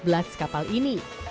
lantai empat belas kapal ini